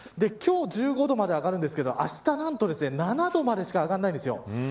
今日１５度まで上がるんですけどあした何と７度までしか上がらないんです。